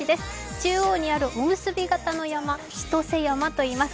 中央にあるおむすび形の山、千歳山といいます。